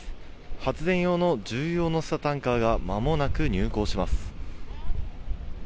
発電用の重油を載せたタンカーがまもなく入港します。